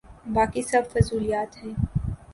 باقی سب فضولیات ہیں۔